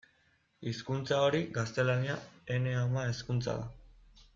Hizkuntza hori, gaztelania, ene ama-hizkuntza da.